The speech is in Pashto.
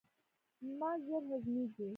ماش ژر هضمیږي.